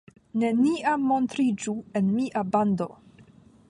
Neniam montriĝu en mia bando!